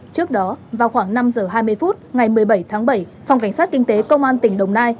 trước đó vào khoảng năm h hai mươi phút ngày một mươi bảy tháng bảy phòng cảnh sát kinh tế công an tỉnh đồng nai